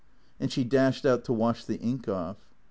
And she dashed out to wash the ink off.